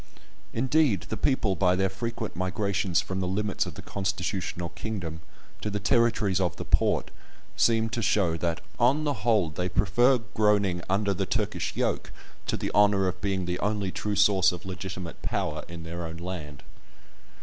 Indeed the people, by their frequent migrations from the limits of the constitutional kingdom to the territories of the Porte, seem to show that, on the whole, they prefer "groaning under the Turkish yoke" to the honour of "being the only true source of legitimate power" in their own land.